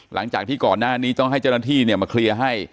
หลังจากที่ก่อนหน้านี้ต้องให้เจ้าหน้าที่มาเคลียร์ให้